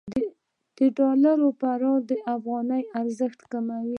د ډالر فرار د افغانۍ ارزښت کموي.